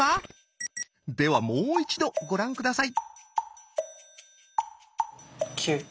ではもう一度ご覧下さい。